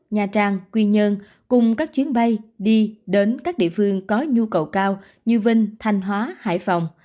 nha trang quy nhơn cùng các chuyến bay đi đến các địa phương có nhu cầu cao như vinh thanh hóa hải phòng